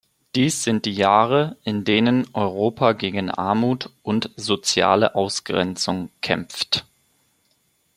Dies sind die Jahre, in denen Europa gegen Armut und soziale Ausgrenzung kämpft.